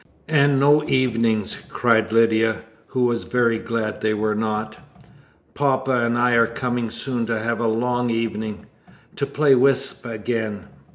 "And no evenings," cried Lydia, who was very glad there were not. "Poppa and I are coming soon to have a long evening to play whist again."